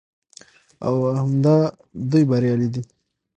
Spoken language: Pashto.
او همدا دوى بريالي دي